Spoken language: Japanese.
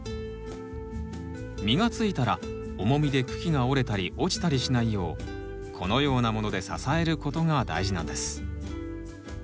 実がついたら重みで茎が折れたり落ちたりしないようこのようなもので支える事が大事なんです。